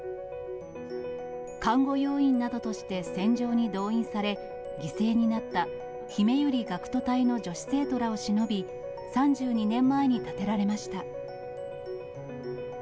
看護要員などとして戦場に動員され、犠牲になった、ひめゆり学徒隊の女子生徒らをしのび、３２年前に建てられました。